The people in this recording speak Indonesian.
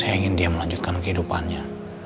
saya ingin dia melanjutkan kehidupannya